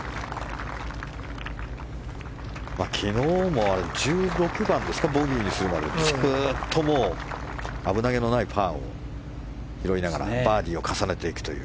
昨日も１６番ですかボギーするまでずっと危なげのないパーを拾いながらバーディーを重ねていくという。